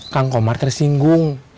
kang komar tersinggung